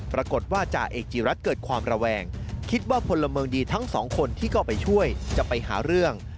ปรากฏว่าจ่าเอจิรัตน์เกิดความระแวง